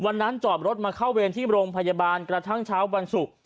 วันนั้นจอบรถมาเข้าเวรที่โรงพยาบาลกระทั่งเช้าบรรสุก